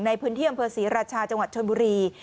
ในพื้นที่อำเภอศรีราชาจังหวัดชนบุรี